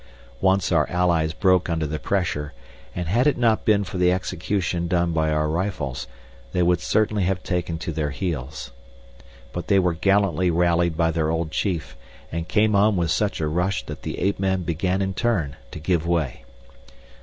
Once our allies broke under the pressure, and had it not been for the execution done by our rifles they would certainly have taken to their heels. But they were gallantly rallied by their old chief and came on with such a rush that the ape men began in turn to give way.